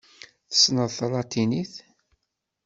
Tessneḍ talatinit?